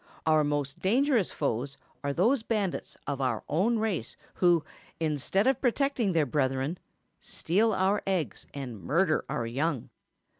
Our most dangerous foes are those bandits of our own race who, instead of protecting their brethren, steal our eggs and murder our young.